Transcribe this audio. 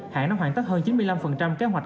hãng đã hoàn tất hơn chín mươi năm kế hoạch